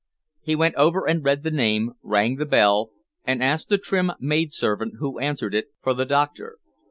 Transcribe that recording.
He went over and read the name, rang the bell, and asked the trim maidservant who answered it, for the doctor.